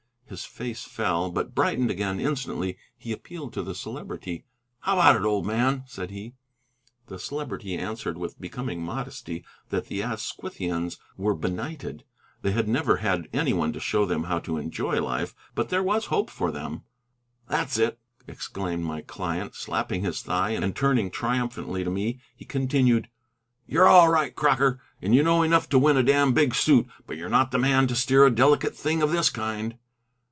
His face fell, but brightened again instantly. He appealed to the Celebrity. "How about it, old man?" said he. The Celebrity answered, with becoming modesty, that the Asquithians were benighted. They had never had any one to show them how to enjoy life. But there was hope for them. "That's it," exclaimed my client, slapping his thigh, and turning triumphantly to me, he continued, "You're all right, Crocker, and know enough to win a damned big suit, but you're not the man to steer a delicate thing of this kind."